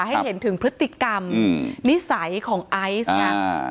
ให้เห็นถึงพฤติกรรมนิสัยของไอซ์ไง